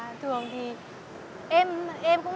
nó không phải là kiến thức